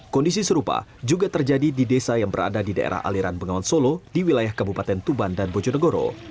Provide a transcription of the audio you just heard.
kondisi serupa juga terjadi di desa yang berada di daerah aliran bengawan solo di wilayah kabupaten tuban dan bojonegoro